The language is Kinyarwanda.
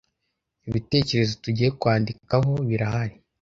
Ibitekerezo tugiye kwandikaho birahari